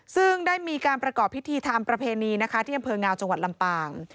ซึ่งได้มีการประกอบพิธีทำประเพณีนะคะที่อำเภองาวจังหวัดลำปาง